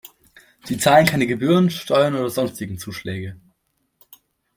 Sie zahlen keine Gebühren, Steuern oder sonstigen Zuschläge.